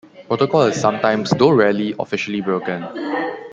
Protocol is sometimes, though rarely, officially broken.